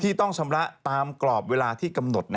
ต้องชำระตามกรอบเวลาที่กำหนด